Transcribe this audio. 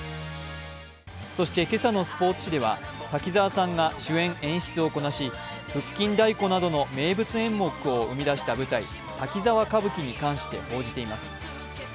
そして、今朝のスポーツ紙では滝沢さんが主演・演出をこなし腹筋太鼓などの名物演目を生み出した舞台「滝沢歌舞伎」について報じています。